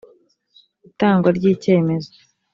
itangwa ry icyemezo